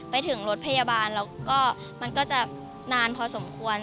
ไปถึงรถพยาบาลแล้วก็มันก็จะนานพอสมควร